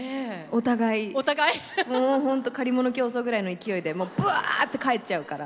もう本当借り物競走ぐらいの勢いでもうブワーッて帰っちゃうから。